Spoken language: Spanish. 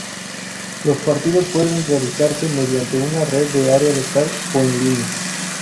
Las partidas pueden realizarse mediante una red de área local o en línea.